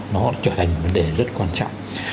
nó trở thành vấn đề rất quan trọng